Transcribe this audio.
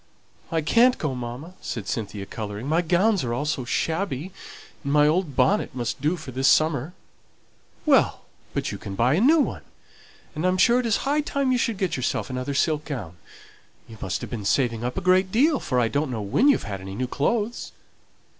"I can't go, mamma," said Cynthia, colouring. "My gowns are all so shabby, and my old bonnet must do for the summer." "Well, but you can buy a new one; and I'm sure it is high time you should get yourself another silk gown. You must have been saving up a great deal, for I don't know when you've had any new clothes."